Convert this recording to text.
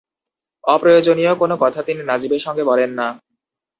অপ্রয়োজনীয় কোনো কথা তিনি নাজিমের সঙ্গে বলেন না।